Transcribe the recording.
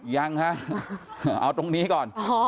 ยังฮะเอาตรงนี้ก่อน